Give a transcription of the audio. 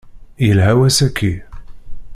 Yelha wass-aki.